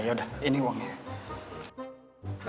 ya udah ini uangnya